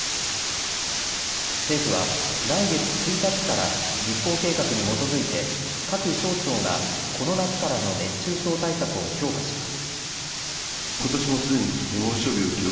政府は来月１日から実行計画に基づいて各省庁がこの夏からの熱中症対策を強化します。